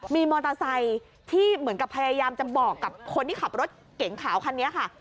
มีมอเตอร์ไซค์ที่เหมือนกับพยายามจะบอกกับคนที่ขับรถเก๋งขาวคันนี้ค่ะ